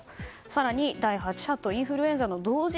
更に、第８波とインフルエンザの同時